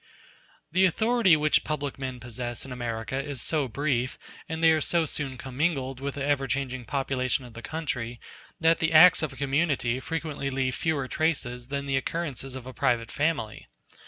The authority which public men possess in America is so brief, and they are so soon commingled with the ever changing population of the country, that the acts of a community frequently leave fewer traces than the occurrences of a private family.